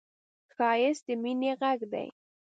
ښایست د مینې غږ دی